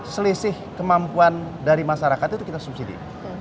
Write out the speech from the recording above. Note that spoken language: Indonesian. selisih kemampuan dari masyarakat itu kita subsidi